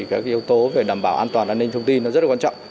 các yếu tố về đảm bảo an toàn an ninh thông tin rất là quan trọng